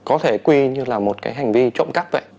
có thể quy như là một cái hành vi trộm cắp vậy